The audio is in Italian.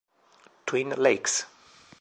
Twin Lakes